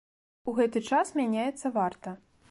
У гэты час мяняецца варта.